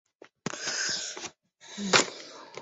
通常还会配合行为治疗法使用。